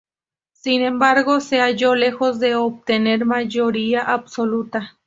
Sin embargo, se halló lejos de obtener mayoría absoluta.